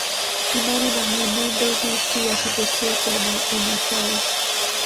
Imani na mwenendo huu si wa kipekee kwa Wamasai